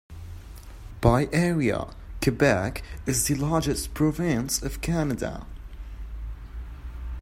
By area, Quebec is the largest province of Canada.